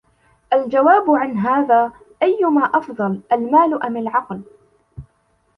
الْجَوَابُ عَنْ هَذَا أَيُّمَا أَفْضَلُ الْمَالُ أَمْ الْعَقْلُ